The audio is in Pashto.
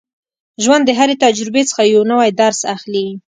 ژوند د هرې تجربې څخه یو نوی درس اخلي.